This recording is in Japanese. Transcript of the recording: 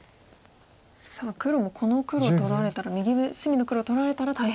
さあ黒もこの黒取られたら右上隅の黒取られたら大変？